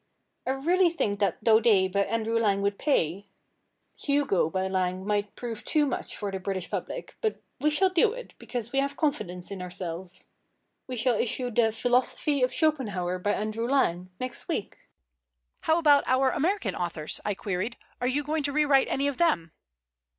I really think that Daudet by Andrew Lang would pay. Hugo by Lang might prove too much for the British public, but we shall do it, because we have confidence in ourselves. We shall issue the Philosophy of Schopenhauer by Andrew Lang next week." "How about our American authors?" I queried. "Are you going to rewrite any of them?"